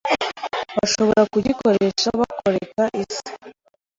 bashobora kugikoresha bakoreka isi